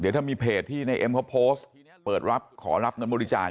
เดี๋ยวถ้ามีเพจที่ในเอ็มเขาโพสต์เปิดรับขอรับเงินบริจาค